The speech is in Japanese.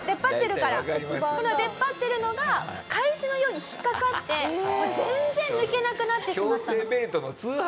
この出っ張ってるのが返しのように引っかかってもう全然抜けなくなってしまった。